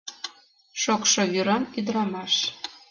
Шокшо вӱран ӱдырамаш.